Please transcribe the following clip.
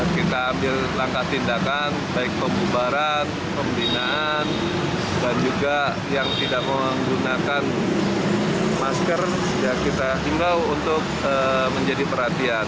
kita ambil langkah tindakan baik pembubaran pemerintahan dan juga yang tidak menggunakan masker hingga untuk menjadi perhatian